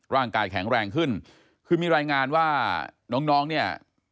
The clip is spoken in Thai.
ร่างกายแข็งแรงขึ้นคือมีรายงานว่าน้องน้องเนี่ย